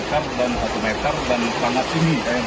tapi untuk wasga sudah kita usikan ke tempat yang lebih aman